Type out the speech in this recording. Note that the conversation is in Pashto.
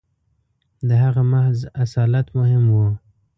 • د هغه محض اصالت مهم و.